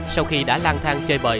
sau khi đã lang thang chơi bời